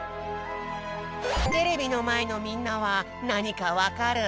テレビのまえのみんなはなにかわかる？